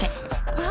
あっ！